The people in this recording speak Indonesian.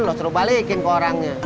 lo suruh balikin ke orangnya